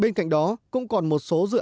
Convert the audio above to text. bên cạnh đó cũng còn một số dự án